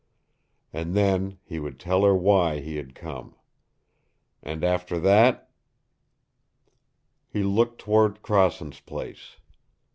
And then he would tell her why he had come. And after that He looked toward Crossen's place.